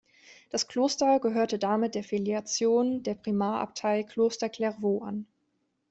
Das Kloster gehörte damit der Filiation der Primarabtei Kloster Clairvaux an.